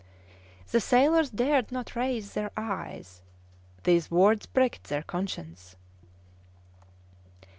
The sailors dared not raise their eyes; these words pricked their conscience.